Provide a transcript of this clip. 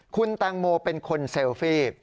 คุณแตงโมเป็นคนเซลฟี่